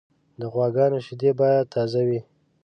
د غواګانو شیدې باید تازه وي.